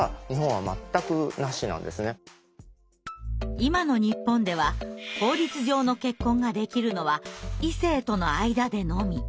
今の日本では法律上の結婚ができるのは異性との間でのみ。